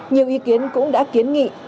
nhiều ý kiến cũng đã kiến nghị